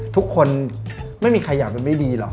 ทุกคนไม่มีใครอยากดูไม่ดีหรอก